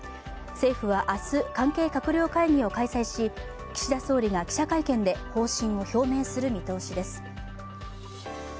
政府は明日、関係閣僚会議を開催し岸田総理が記者会見で方針を表明する見通しです。